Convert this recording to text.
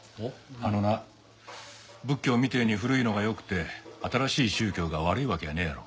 あのな仏教みてえに古いのが良くて新しい宗教が悪いわけやねえやろ。